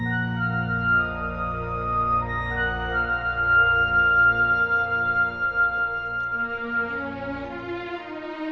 buat oke pack